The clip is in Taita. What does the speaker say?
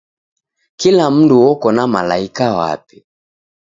Kila mndu oko na malaika wape.